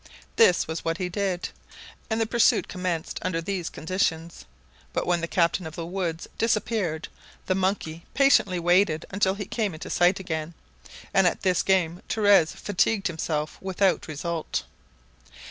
This was what he did, and the pursuit commenced under these conditions; but when the captain of the woods disappeared, the monkey patiently waited until he came into sight again, and at this game Torres fatigued himself without result.